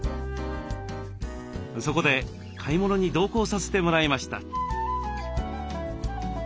そこで買い物に同行させてもらいました。